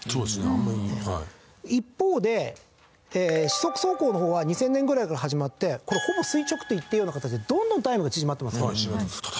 一方で四足走行の方は２０００年ぐらいから始まってこれほぼ垂直と言っていいような形でどんどんタイムが縮まってますね。